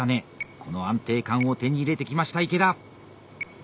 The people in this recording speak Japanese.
この安定感を手に入れてきました池田。